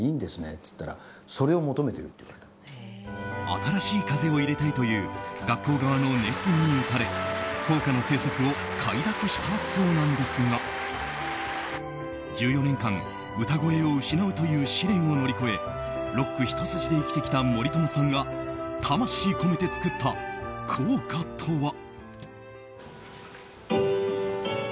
新しい風を入れたいという学校側の熱意に打たれ校歌の制作を快諾したそうなんですが１４年間、歌声を失うという試練を乗り越えロックひと筋で生きてきた森友さんが魂込めて作った校歌とは？